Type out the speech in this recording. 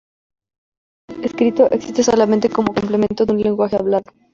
El lenguaje escrito existe solamente como complemento de un lenguaje hablado.